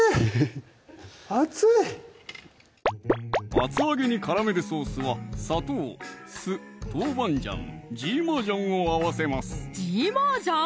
厚揚げに絡めるソースは砂糖・酢・豆板醤・芝麻醤を合わせます芝麻醤？